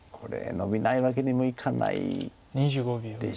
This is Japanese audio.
ノビないわけにはいかない。